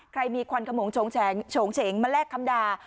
ใครมีควันขมงโฉงเฉงมาแลกคำด่า